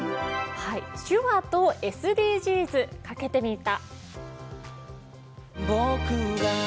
手話とＳＤＧｓ、かけてみた。